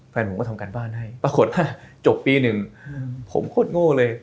แฟนผมก็ทำการบ้านให้ปรากฏว่าจบปีหนึ่งผมโคตรโง่เลย